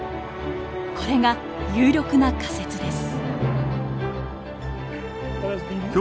これが有力な仮説です。